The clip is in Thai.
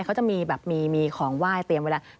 เขาจะมีแบบมีของไหว้เตรียมไว้แล้ว